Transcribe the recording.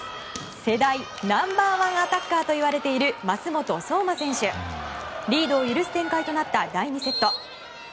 世代ナンバー１アタッカーと言われている選手リードを許す展開となった第２セット。